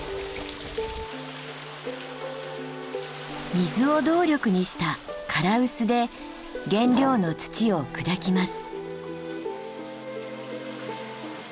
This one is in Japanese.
水を動力にした「唐臼」で原料の土を砕きます。